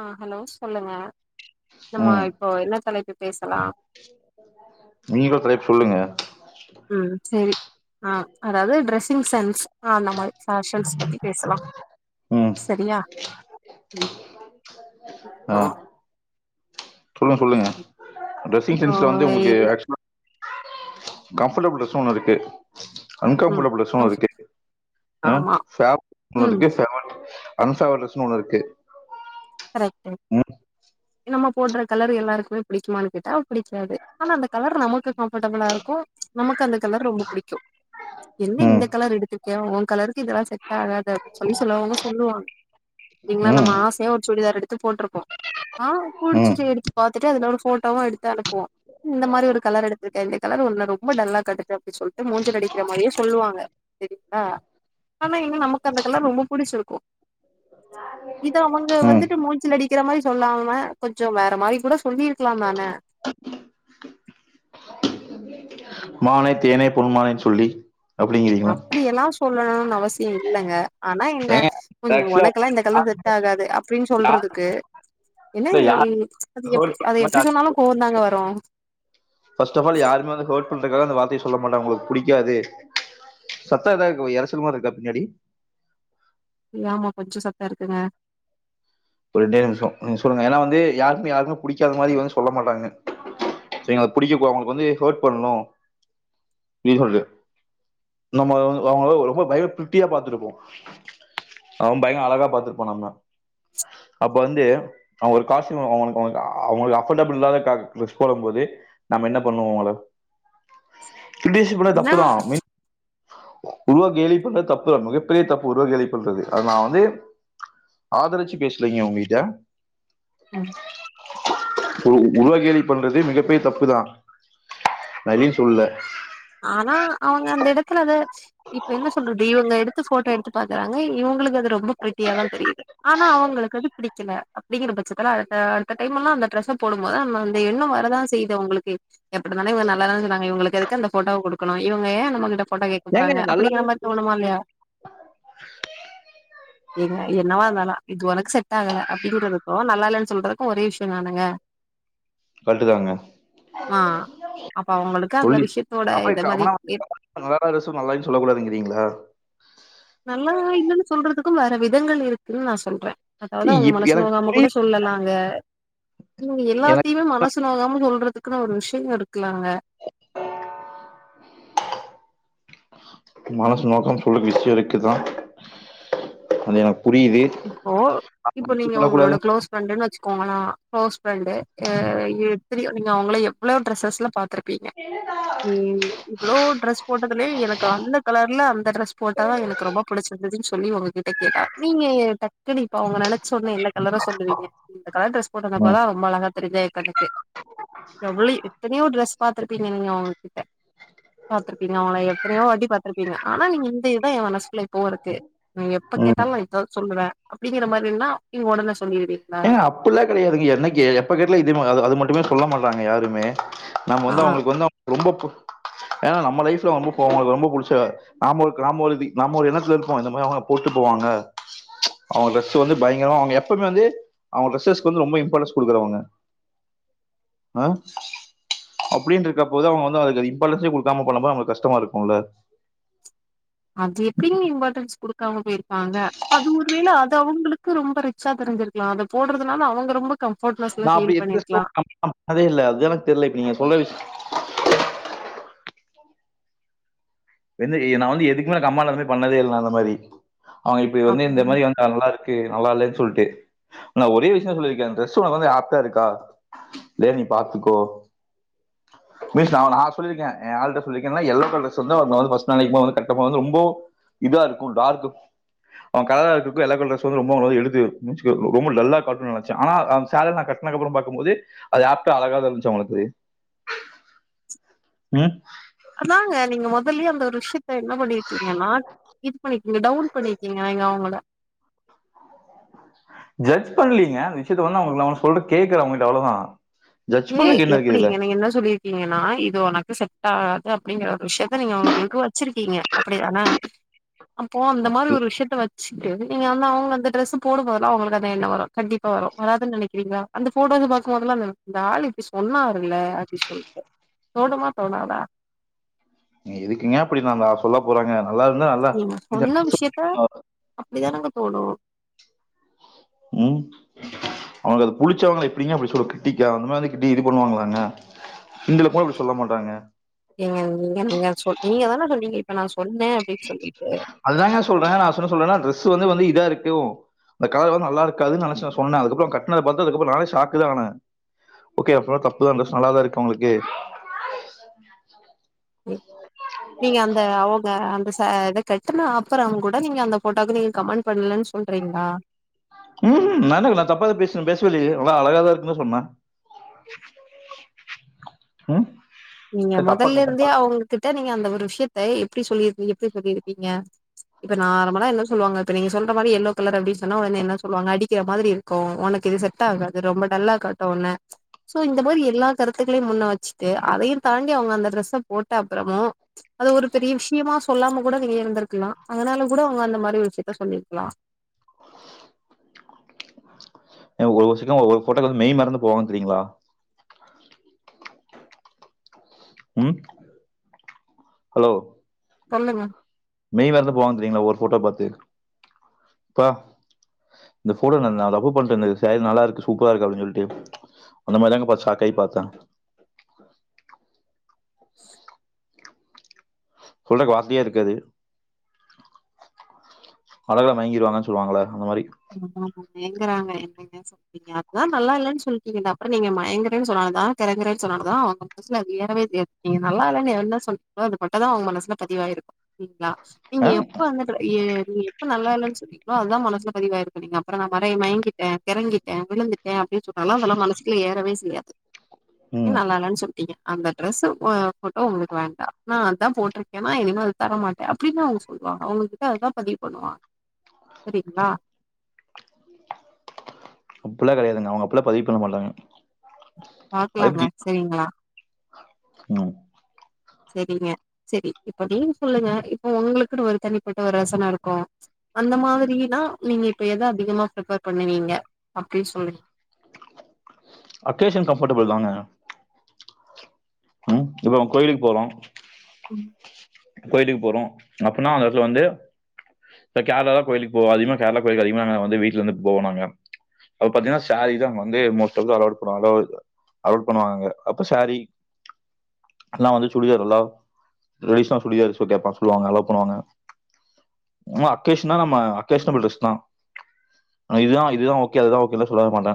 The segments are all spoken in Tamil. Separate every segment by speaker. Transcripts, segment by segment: Speaker 1: ஆஹ் ஹலோ சொல்லுங்க நம்ம
Speaker 2: ம்
Speaker 1: இப்போ என்ன தலைப்பு பேசலா
Speaker 2: நீங்களும் தலைப்பு சொல்லுங்க
Speaker 1: ம் சேரி அ அதாவ்து ட்ரெஸ்ஸிங் சென்ஸ் அ நம்ம ஃபேஷன்ஸ் பத்தி பேசலா
Speaker 2: ம்
Speaker 1: சரியா
Speaker 2: சொல்லுங் சொல்லுங்க ட்ரெஸ்ஸிங்
Speaker 1: இப்போ
Speaker 2: சென்ஸ்ல வந்து உங்ளுக்கு
Speaker 1: இல்ல
Speaker 2: ஆக்சுலா கம்ஃபடபுள் ட்ரெஸ்னு ஒன்னு இருக்கு அன்
Speaker 1: ம்
Speaker 2: கம்ஃபடபுள் ட்ரெஸ்னு ஒன்னு
Speaker 1: கஷ்
Speaker 2: இருக்கு அ
Speaker 1: ஆமா
Speaker 2: ஃபேப் ஒன்னு
Speaker 1: ம்
Speaker 2: இருக்கு ஃபெவன் அன்ஃபேவர்ஸ்னு ஒன்னு இருக்கு
Speaker 1: கரைக்ட்டு
Speaker 2: ம்
Speaker 1: நம்ம போட்ற கலர் எல்லாருக்குமே புடிக்குமானு கேட்டா புடிக்காது ஆனா அந்த கலர் நமக்கு கம்ஃபடபுளா இருக்கு நமக்கு அந்த கலர் ரொம்ப புடிக்கு என்ன இந்த
Speaker 2: ம்
Speaker 1: கலர் எடுத்துர்க்கே ஓக் கலருக்கு இதல்லா செட் ஆகாது சொல்லி செலவங்க சொல்லுவாங் திங்ளா
Speaker 2: ம்
Speaker 1: நம்ம ஆசயா ஒர் சுடிதார் எடுத்து போட்ருப்போ ஆ
Speaker 2: ம்
Speaker 1: புடிச்சிச்சு எடுத்து பாத்துட்டு அதுல ஒரு ஃபோட்டோவு எடுத்து அனுப்புவோ இந்த மாரி ஒரு கலர் எடுத்துருக்க இந்த கலர் ஒன்ன ரொம்ப டல்லா காட்டுது அப்டி சொல்ட்டு மூஞ்சில அடிக்கிற மாரியே சொல்லுவாங்க செரிங்ளா ஆனா என்ன நமக்கு அந்த கலர் ரொம்ப புடிச்சுருக்கு இத அவங் ங்க
Speaker 2: ம்
Speaker 1: வந்துட்டு மூஞ்சில அடிக்கிற மாரி சொல்லாமா கொஞ்சொ வேற மாரி கூட சொல்லிர்க்கலாந்தான
Speaker 2: மானே தேனே பொன்மானேன் சொல்லி அப்படிங்கிறீங்களா
Speaker 1: அப்டி எல்லா சொல்லணு அவசிய இல்லங்க ஆனா என்ன
Speaker 2: ஏங்க ஆக்சுவலா
Speaker 1: ஒனக்கல்லா இந்த கலர் செட் ஆகாது அப்டின்
Speaker 2: யார்
Speaker 1: சொல்றதுக்கு என்ன
Speaker 2: யார்
Speaker 1: அது
Speaker 2: ஹர்ட்
Speaker 1: எப்ப அது
Speaker 2: பண்ற
Speaker 1: எப்டி சொன்னாலு கோவந்தாங்க வரு
Speaker 2: ஃபர்ஸ்ட் ஆஃப் ஆல் யாருமே வந்து ஹர்ட் அந்த வார்த்தய சொல்ல மாட்டா உங்களுக்கு புடிக்காது சத்த எதா கு எரச்சல் மார்ருக்கா பின்னாடி
Speaker 1: ஆமா கொஞ்சோ சத்த இருக்குங்க
Speaker 2: ஒரு ரெண்ட நிமிஷம் நீ சொல்லங்க ஏன்னா வந்து யாருமே யாருமே புடிக்காத மாதுரி வந்து சொல்ல மாட்டாங்க அத புடிக்க அவங்களுக்கு வந்து ஹர்ட் பண்ணனு அப்படின்னு சொல்ற நம்ம அவங்கள ரொம்ப பய ப்ரிட்டியா பாத்து இருப்போ பயங்கர அழகா பாத்துருப்போ நம்ப அப்ப வந்து அவ்ங்க ஒரு காஸ்ட்யும் அவ்ங்களுக்கு அவ்ங்களுக்கு அஃபர்டபுள் இல்லாத போல போது நம்ம என்ன பண்ணுவோ உங்கள ஃபிடிஷி பண்ண தப்புதா
Speaker 1: என்ன
Speaker 2: மின் உருவ கேலி பண்ற தப்பு மிகப்பெரிய தப்பு உருவ கேலி பண்றது அது நா வந்து ஆதரச்சி பேஸ்லிங்க உங்க கிட்ட
Speaker 1: ம்
Speaker 2: உரு உருவகேலி பண்றது மிகப் பெரிய தப்புதா சரி சொல்ல
Speaker 1: ஆனா அவங்க அந்த எடத்துல அத இப்ப என்ன சொல்றது இவங்க எடுத்து போட்டோ எடுத்து பாக்குறாங்க இவங்களுக்கு அது ரொம்ப பிரிட்டியா தா தெரியுது ஆனா அவங்களுக்கு அது பிடிக்கல அப்டிங்கிற பட்சத்துல அடுத்த அடுத்த டைம் எல்லா அந்த ட்ரெஸ்ஸ போடும்போது அந்த எண்ணம் வரதான் செய்துதுவங்களுக்கு எப்டிந்தானே இ நல்லாதான சொன்னாங்க இவங்களுக்கு அதுக்கு அந்த போட்டோவ குடுக்கணு இவங்க ஏ நம்மகிட்ட போட்டோ கேட்க போறாங்க
Speaker 2: ஏங்க நல்லா
Speaker 1: அப்படிங்கிர மாரி தோணுமா இல்லயா எங்க என்னவா இருந்தாலா இது உனக்கு செட் தாங்கள அப்டிங்கறதுக்கு நல்லாலன் சொல்றதுக்கு ஒரே விஷ்ய தானுங்க
Speaker 2: கல்ட்டுதாங்க
Speaker 1: அ அப்ப அவங்களுக்கு அந்த விஷய
Speaker 2: அப்பனா நல்லாருந்துச்சு நல்லாலன்னு சொல்ல கூடாதுங்கிறீங்களா
Speaker 1: நல்லா இல்லைன்னு சொல்றதுக்கும் வேற விதங்கள் இருக்குன்னு நா சொல்றே அதாவது அவங்க
Speaker 2: இப்
Speaker 1: மனசு
Speaker 2: எனக்கு
Speaker 1: நோகாம கூட
Speaker 2: புரியுது
Speaker 1: சொல்லலாங்க உம்
Speaker 2: எனக்கு
Speaker 1: எல்லாத்தயுமே மனசு மனசு நோகாம சொல்றதுக்குன்னு ஒரு விஷய இருக்குல்லங்க
Speaker 2: மனசு நோகாம சொல்ல விஷய இருக்குதா அது எனக்கு புரியுது
Speaker 1: இப்போ இப்போ நீங்க உங்களோட
Speaker 2: சொல்லக்கூடாது
Speaker 1: க்ளோஸ் ஃப்ரெண்டு வச்சு கோங்க நா க்ளோஸ் ஃப்ரண்டு நீங்க அவங்கள எவ்ளோ டிரெஸஸ்ல பாத்துருப்பீங்க இவ்வளோ டிரெஸ் போட்டதுல எனக்கு அந்த கலர்ல அந்த ட்ரெஸ் போட்டாதா எனக்கு ரொம்ப பிடிச்சிருந்ததுன்னு சொல்லி உங்ககிட்ட கேட்டா நீங்க டக்குன்னு இப்ப அவங்க நினைச்ச உடனே எந்த கலர சொல்லுவீங்க இந்த கலர் ட்ரெஸ்
Speaker 2: ம்,
Speaker 1: போட்டந்ருப்பதா ரொம்ப அழகா தெரியுது இப்ப எனக்கு எவ்வளோ எத்தனையோ ட்ரெஸ் பாத்திருப்பீங்க நீங்க அவங்ககிட்ட பாத்துருப்பீங்க அவங்கள எத்தனையோ வாட்டி பாத்திருப்பீங்க ஆனா நீங்க இந்த இதா எம் மனசுக்குள்ள இப்பவு இருக்கு நீங்க எப்ப
Speaker 2: ம்.
Speaker 1: கேட்டாலு இப்ப சொல்றே அப்படிங்கிற மாதிரினா நீங்க ஒடனே சொல்லிடுவிங்
Speaker 2: ஏங்க அப்படில்லாம் கடையாதுங்க என்னைக்கு எப்ப கேட்டாலு இது அது மட்டுமே சொல்ல மாட்டாங்க யாருமே நம்ம
Speaker 1: ஆ
Speaker 2: வந்து அவங்களுக்கு வந்து ரொம்ப ஏன்னா நம்ம லைஃப்ல ரொம்ப அவங்களுக்கு ரொம்ப புடிச்ச நாம நாம ஒரு நம ஒரு எண்ணத்துல இருப்போ இந்த மாரி அவங்க போட்டு போவாங்க அவங்க ட்ரஸ் வந்து பயங்கரம் அவங்க எப்பவுமே வந்து அவங்க டிரஸ்ஸஸ்க்கு வந்து ரொம்ப இம்பார்ட்டன்ஸ் கொடுக்குறவங்க ஆஹ் அப்படின்ற இருக்க போது அவங்க வந்து அதுக்கு இம்பாடன்ஸே கொடுக்காம பண்ணது அவங்ளுக்கு கஷ்டமா இருக்கு இல்ல
Speaker 1: அது எப்படிங்க இம்பார்ட்டன்ஸ் குடுக்காம போயிரு வாங்க அது அது அவங்களுக்கு ரொம்ப ரிச்சா தெரிஞ்சிருக்கலா அத போடறதுனால அவங்க ரொம்ப கம்ஃபர்ட்னஸ்ல
Speaker 2: நா அப்படி
Speaker 1: ஃபீல் பண்ணிருக்கலா
Speaker 2: [inaudible] இல்ல அது எனக்கு தெரில இப்ப நீங்க சொன்ன விஷ வெந்து நா வந்து எதுக்குமே எனக்கு அம்மா இல்லாத மாரி பண்ணதே இல்ல நா அந்த மாரி அவங்க இப்டி வந்து இந்த
Speaker 1: அப்டி
Speaker 2: மாரி வந்து நல்லாருக்கு நல்லாலனு சொல்ட்டு நா ஒரே விஷ்ய சொல்லிருக்க ட்ரெஸ் வந்து உனக்கு ஏப்டா இருக்கா சேரி நீ பாத்துக்கோ மிஸ் நா நா சொல்லிருக்க ஏ ஆல்ட்ட சொல்லிருக்க எல்லோ கலர் ரொ நா வந்து ஃபர்ஸ்ட் நாளைக்கும் போது வந்து கட்டம்போது வந்து ரொம்போ இதா இருக்கு டார்க்கு அவ கலரா இருக்கரக்கு எல்லோ கலர்சு வந்து ரொம்ப வந்து [unintelligible] ரொம்ப டல்லா காட்டு நனச்ச ஆனா அந்த சேரில நா கட்னகப்ற பாக்கும்போது அது ஏப்டா அழகாதா இருந்ச்சு அவங்ளுக்கு ஹ்ம்
Speaker 1: அதாங்க நீங்க மொதல்லியே அந்த ஒரு விஷ்யத்த என்ன பண்ணிருக்கீங்கன்னா இது பண்ணிருக்கிங்க டவுன் பண்ணிருக்கிங்க நீங்க அவங்கள
Speaker 2: ஜட்ஜ் பண்லீங்க அந்த விஷ்யத்த வந்து நா உங்ளுக்கு நா ஒன்னு சொல்ற கேக்கற அவங்ககிட்ட அவ்ளோதா
Speaker 1: ஏ எப்டிங்க நீங்க என்ன சொல்லிருக்கீங்கனா இது ஒனக்கு செட் ட்டாகாது அப் அப்டிங்ற ஒரு விஷ்யத்த நீங்க அவுங்ளுக்கு வச்சிருக்கிங்க அப்டிதான அப்போ அந்த மாரி
Speaker 2: அப்படி-
Speaker 1: ஒரு விஷயத்த வச் சுட்டு நீங்க அந்த அவங்க அந்த ட்ரெஸ்சு போடும்போதலா அவங்ளுக்கு அந்த எண்ண வரு கண்டிப்பா வரு வராதுன் நினைக்றிங்ளா அந்த ஃபோட்டோஸ்ச பாக்கும்போதலா அந்த அந்த ஆளு இப்டி சொன்னாருல அப்டி சொல்ட்டு தோணுமா தோணாதா
Speaker 2: எதுக்குங்க அப்டி நாம்ப சொல்ல போறங்க
Speaker 1: நீங்க சொன்ன விஷயத்த அப் அப்டிதானுங்க தோணும்
Speaker 2: உம் அவங்க அது புடிச்சவங்கள எப்டிங்க அப்டி சொல்ல கிட்டிக்கா அந்த மாதிரி வந்து கிட்டி இது பண்ணுவாங்ளாங்க கிண்டலுக்கு கூட அப்டி சொல்ல மாட்டாங்க
Speaker 1: நீங்க நீங்க நீங்க சொ நீங்கதான சொன்னீங்க இப்ப நா சொன்
Speaker 2: அதுதாங்க சொல்றேன் நா என்ன சொல்றேனா ட்ரெஸ் ஸ்சு வந்து வந்து இதா இருக்கும் அந்த கலர் வந்து நல்லா இருக்காதுனு நெனச்சு நான் சொன்னேன் அதுக்கப்புறம் கட்னத பாத்து அதுக்கப்ற நானே ஷாக்குதா ஆனே ஓகே அப்னா தப்புதா ட்ரெஸ் நல்லாதா இருக்கு அவங்களுக்கு
Speaker 1: நீங்க அந்த அவங்க அந்த ச இத [unintelligible] கட்டுன அப்புறங்கூட நீங்க அந்த போட்டாக்கு நீங்க கமெண்ட் பண்ணலேனு சொல்றீங்ளா
Speaker 2: உஹும் நான் அது தப்பாதான் பேசன பேசவே இல்லியே நா அழகாதா இருக்குனு சொன்னா உம்
Speaker 1: நீங்க முதல்ல இருந்தே அவங்க கிட்ட நீங்க அந்த ஒரு விஷயத்த எப்டி சொல்லிருப்பீங்க எப்டி இப்ப சொல்லியிருப்பீங்கப இப்ப நார்மலா என்ன சொல்லுவாங்க இப்ப நீங்க சொல்ற மாதிரி எல்லோ கலர் அப்டி சொன்னா உடனே என்ன சொல்லுவாங்க அடிக்ற மாதிரி இருக்கும் உனக்கு இது செட்டாகாது ரொம்ப டல்லா காட்டும் உன்ன சோ இந்த மாதிரி எல்லா கருத்துக்ளையும் முன்னே வச்சுட்டு அதையும் தாண்டி அவங்க அந்த டிரெஸ்ஸ போட்ட அப்புறமும் அது ஒரு பெரிய விஷ்யமா சொல்லாம கூட நீங்க இருந்திருக்கலா அதனால கூட அவங்க அந்த மாதிரி விஷயத்த சொல்லிருக்லா
Speaker 2: ஏங்க ஒரு வருஷ ஒரு போட்டோக்கு வந்து மெய் மறந்து போவன் தெரியுங்களா உம் ஹலோ
Speaker 1: சொல்லுங்க
Speaker 2: மெய் மறந்து போவேந்தெரியுங்களா ஒரு போட்டோ பாத்து ப்பா இந்த போட்டோ நா லவ்வு பண்டுந்த இந்த சேரி நல்லாருக்கு சூப்பராஇருக்கு அப்டின் சொல்ட்டு அந்த மாதிரிதாங்க ஷாக்காயி பாத்தா
Speaker 1: ஷ் [inaudible]
Speaker 2: சொல்றதுக்கு வார்த்தையே இருக்காது அழகுல மயங்கிருவாங்கனு சொல்லுவாங்களே அந்த மாதிரி
Speaker 1: ஆமா மயங்குறாங்க என்னங்க சொல்றிங்க அதா நல்லாயில்லேனு சொல்ட்டீங்கல்ல அப்புறம் நீங்க மயங்கறேனு சொன்னாலும் கிறங்கறேனு சொன்னாலும் அவங்க மனசுல அது ஏறவே ஏறாதுங்க நல்லா இல்லேனு என்ன சொன்னிங்களோ அது மட்டுந்தா அவங்க மனசுல பதிவாயிருக்கும் சரிங்களா நீங்க
Speaker 2: ஆ?
Speaker 1: எப்ப வந்துட்டு ஏ எப்ப நல்லாயில்லேனு சொன்னீங்களோ அதுதா மனசுபதியும் பதிவாயிருக்கு நீீங்க அப்பறோ நா [unintelligible] நறைய மயங்கிட்டே, கெறங்கிட்டே, விழுந்துட்டே அப்டி சொன்னாலு அதெல்லா மனசுகுள்ள ஏறவே செய்யாது ஏ
Speaker 2: ம்
Speaker 1: நல்லால்லன் சொல்ட்டீங்க அந்த ட்ரெஸ்ஸு அ ஃபோட்டோ உங்களுக்கு வேண்டா நா அதா போட்ருக்கேனா இனிமேல் அது தரமாட்டே அப்படின்னு அவங்க சொல்லுவாங்க அவங்ககிட்ட அதா பதிவு பண்ணுவாங்க சரிங்ளா
Speaker 2: அவுங்க அப்பிட்லா பதிவு பண்ண மாட்டாங்க அது எப்படி
Speaker 1: பாக்லாங்க செரிங்ளா
Speaker 2: ம்
Speaker 1: சரிங்க செரி இப்ப நீங்க சொல்லுங்க இப்ப ஒங்ளுக்னு ஒரு தனிப்பட்ட ஒரு ரசன இருக்கு அந்த மாரினா நீங்க இப்ப எத அதிகமா பிர்பர் பண்ணுவீங்க அப்டி சொல்லு.
Speaker 2: அக்கேஷன் கம்ஃபடபிள் தாங்க [inaudible] கோயிலுக் போறோ
Speaker 1: ம்
Speaker 2: கோயிலுக்கு போறோ அப்புன்னா அந்த எடத்துல வந்து கேரளா தா கோயிலுக்கு போவோ அதிகமா கேரளா கோயிலுக்கு அதிகமா வந்து வீட்டுல இருந்து போவோனாங்க அது பாத்தீங்னா சேரி தா அங்க வந்து மோஸ்ட்டாவே அளவுட் பண்ணுவா அளவுட் பண்ணுவாங்கங்க அப்ப ஷேரீ எல்லா வந்து சுடிதாரல்லா ட்ரெடிஸ்னா சுடிதார்ஸ் ரொம்ப பர்சன்லா அவங்க லவ் பண்ணுவாங்க அக்கேஷ்னா நம்ப அக்கேஷ்னபுல் ட்ரெஸ் தா இதுதா இதுதா ஓகே அதுதா ஓகேலா சொல்லவே மாட்டா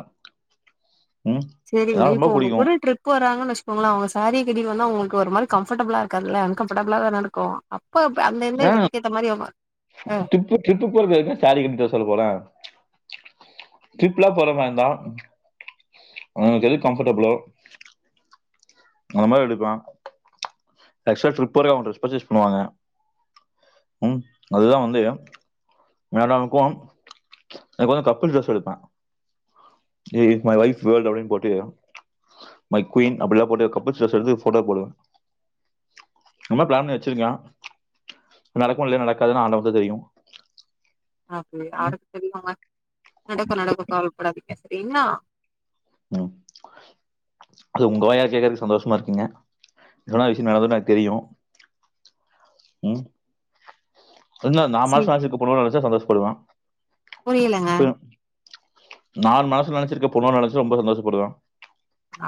Speaker 1: செரிங்க இப்ப ஒங்க கூட ட்ரிப் வர்றாங்கன்னு வச்சுக்கோங்களே அவங்க சேரி கட்டிட்டு வந்தா ஒங்ளுக்கு ஒரு மாரி கம்ஃபடப்ளா இருகாதுல்ல அன்கம்ஃப டபிளா தானருக்கு ப்போ அந்தெந்த
Speaker 2: ஆ
Speaker 1: எடத்துக்கு ஏத்த மாரி அவங்க அ
Speaker 2: ட்ரிப்பு டிரிப்பு போறதுக்கு எதுக்கு சாரி கட்டிட்டுவர சொல்ல போற ட்ரிப்லா போற மாரி இருந்தா அவுங்களுக்கு எது கம்ஃபர்டபுளோ நா தா எடுப்பே ஆக்சுவ்லா டிரிப் போறே அவங்க ட்ரெஸ் பர்சேஸ் பண்ணுவாங்க ம் அதுதா வந்து மேடமுக்கும் எனக்கு கப்புல் ட்ரெஸ் எடுப்பே இஸ் மை வைஃப் வேல்ட் அப்டின் போட்டு மை குயின் அப்புல்லா போட்டு கபுள் சாசர்லருந்து போட்டோ போடுங்க இம்மாரி பிலான் பண்ணி வச்சிருகே நடகோல்லையோ ஆண்டவனுக்கு தா தெரியு
Speaker 1: அப்ப யாருக்கு தெரியுங்க நடக்கு நடக்கு கவலப்படாதீ செரிங்ளா
Speaker 2: ம் அது உங்க வாயால கேகறதுக்கு சந்தோஷமா இருக்குங்க என்னனா விஷயம் நடந்துனு எனக்கு தெரியு ம் இல்ல நா மனசுல நெனச்சுர்க்க பொண்ண நெனச்சா சந்தோஷ் சொல்வா
Speaker 1: புரியில
Speaker 2: நான் மனசுல நெனச்சிருக்க பொண்ண நெனச்சு ரொம்ப சந்தோஷப்படுவே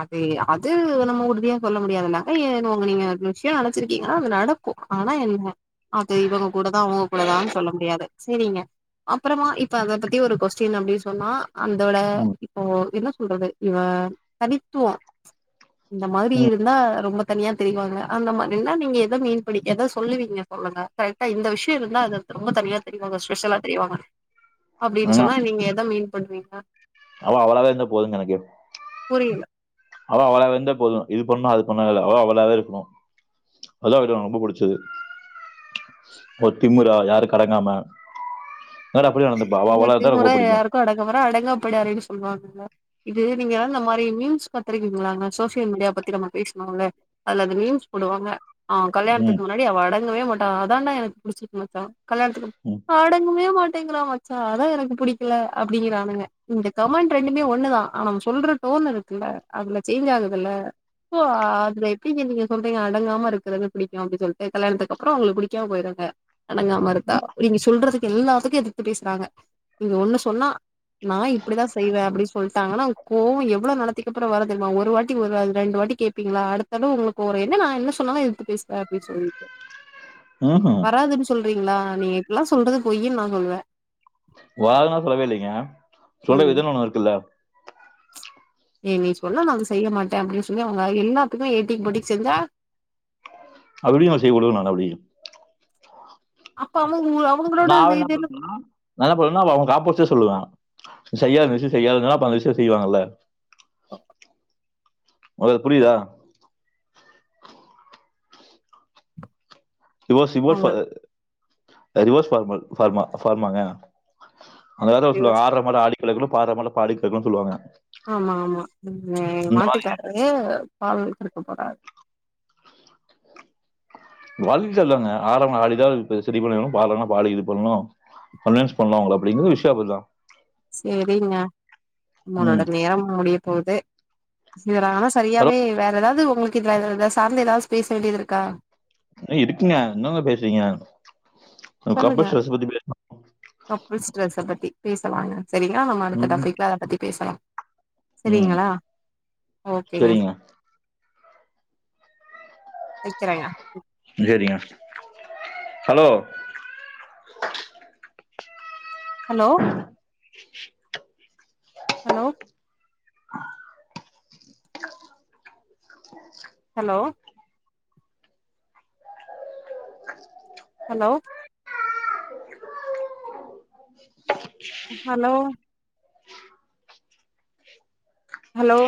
Speaker 1: அது அது நம்ம உறுதியா சொல்ல முடியாதுல்லங்க ஏ உங்க நீங்க விஷயம் நெனச்சிருக்கீங்கன்னா அது நடக்கு ஆனா என்ன அது இவங்க கூடதா அவங்க கூடதான்னு சொல்ல முடியாது செரிங்க அப்றமா இப்ப அத பத்தி ஒரு கொஸ்டின் அப்டின்னு சொன்னா அந்தோட
Speaker 2: ம்,
Speaker 1: இப்போ என்ன சொல்றது இவ தனித்துவோ இந்த மாத்ரி
Speaker 2: ம்.
Speaker 1: இருந்தா ரொம்ப தனியா தெரிவாங்க அந்த மாதிரினா நீங்க எத மீன் பண்ணி கே எத சொல்லுவீங்க சொல்லுங்க கரெக்டா இந்த விஷ்யோ இருந்தா அது ரொம்ப தனியா தெரிவாங்க ஸ்பெஷலா தெரிவாங்க அப்டின்
Speaker 2: ஆனா
Speaker 1: சொன்னா நீங்க எத மீன் பண்ணுவீங்க
Speaker 2: அவ அவளாவே இருந்தா போதுங்க எனக்கு
Speaker 1: புரியல
Speaker 2: அவ அவளாவிந்த போது இது பண்ணூ அது பண்ணூலா இல்ல அவா அவளாவே இருக்குணு அதா எனக் ரொம்ப புடிச்சது ஒ திமுரா யாருக்கடங்காம
Speaker 1: ஏங்க திமுரா யாருக்கூ அடங்காமற அடங்காபிடாரின் சொல்வாங்கங்க இது நீங்க இந்த மாரி நியூஸ் பாத்திருக்கீங்ளாங்க சோஷியல் மீடியா பத்தி நம்ம பேசனோல்ல அதுல அது ரீல்ஸ் போடுவாங்க ஆ
Speaker 2: ம்,
Speaker 1: கல்யாணதுக்கு முன்னாடி அவ அடங்கவே மாட் ஆ அதான்டா எனக் புடிச்சிருக்கு மச்சா
Speaker 2: ம்.
Speaker 1: கல்யாணத்துக்குப் அடங்கவே மாட் டீங்களா மச்சா அதா எனக்கு புடிக்கல அப்டிங்கிறானுங்க இந்த கமெண்ட் ரெண்டுமே ஒன்னுதா ஆனாவுங் சொல்ற டோன் இருக்குல்ல அதுல சேஞ்ச் ஆகுதுல ஓ அதுல எப்டிங்க நீங்க சொல்றீங்க அடங்காம இருக்குறது புடிக்கூ அப்டி சொல்லிட்டு கல்யாணத்துக்கப்றோ உங்குளுக் புடிக்காம போயிரூங்க அடங்காமர்ந்தா நீங்க சொல்றது எல்லாதுக்கு எதுக் த்து பேசுறாங்க நீங்க ஒண்ணு சொன்னா நா இப்படிதா செய்வே அப்டி சொல் நாங்கன்னா கோவம் எவ்ளோ நடந்ததுக்கப்புறம் வரும் தெரியுமா ஒரு வாட்டி வராது ரெண்டு வாட்டி கேப்பீங்களா அடுத்த தடவ உங்களுக்கு கோவம் வரு என்ன நா என்ன சொன்னாலும் எதுத்து பேசுற அப்டின்னு சொல்லிட்டு
Speaker 2: ம்ஹும்.
Speaker 1: வராதுன்னு சொல்றீ இல்ல நீங்க இப்டியெல்லா சொல்றது பொய்யினு நா சொல்லுவே
Speaker 2: வால்லா சொல்லவே இல்லங்க சொல்ற
Speaker 1: ம்
Speaker 2: விதம்ன்னு ஒண்ணு இருக்குல்ல
Speaker 1: ஏ நீ சொன்ன நா செய்ய மாட்டே அப்படின்னு சொல்லி அவங்க எல்லாத்துக்குமே ஏட்டிக்கு போட்டிக்கு செஞ்சா
Speaker 2: அப்டிய நான் செய்ய விடுவேனா நான் அப்டி
Speaker 1: அப்பா
Speaker 2: நா என்ன பண்ணுவேனா நான் என்ன பண்ணுவேணா அவ ஆப்போசிட்டா சொல்லுவே செய்யாது விஷயம் செய்யாதுன்னா அப்ப அந்த விஷயம் செய்வாங்கல்ல
Speaker 1: [inaudible]
Speaker 2: உனக்கு புரியுதா [unintelligible]
Speaker 1: அவங்க
Speaker 2: ரிவர்ஸ் ஃபார்மா ஃபார்மாங்க அந்த காலத்துல சொல்வாங்க
Speaker 1: டிவோர்ஸ்
Speaker 2: ஆடுற மாட்ட ஆடி கறக்கணு பாடுற மாட்ட பாடி கறக்கணும்னு சொல்லுவாங்க
Speaker 1: ஆமா ஆமா உம்
Speaker 2: இந்த மாதிரி
Speaker 1: மாட்டுக்கார்ரு பால் ஊத்துறக்கு போறார்
Speaker 2: [unintelligible] ஆடுறவங்கள ஆடிதா செரி பண்ணணு பாடுறவங்கள பாடி இது பண்ணணு கன்வின்ஸ் பண்ணணு அப்டிங்றது விஷயபதான்
Speaker 1: செரிங்க உங்களோட
Speaker 2: ம்
Speaker 1: நேரம் முடிய போது சிர் ஆனா
Speaker 2: ஹலோ
Speaker 1: சரியாவே வேற ஏதாவது உங்களுக்கு இது சார்ந்து ஏதாவது பேச வேண்டியது இருக்கா
Speaker 2: நெறை இருக்குங்க என்னங்க பேசுறிங்க
Speaker 1: சொல்லுங்க கப்புல்ஸ் ட்ரெஸ பத்தி பேசலாங்க சரிங்ளா நம்ம அடுத்த
Speaker 2: ம்
Speaker 1: டாபிக்ல அதை பத்தி பேசலா
Speaker 2: ம்
Speaker 1: சரிங்களா ஓகேங்க
Speaker 2: சரிங்க
Speaker 1: வக்கிறங்க
Speaker 2: ஜேரிங்க hello
Speaker 1: hello hello hello hello hello hello